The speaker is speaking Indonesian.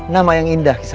nama yang indah kisana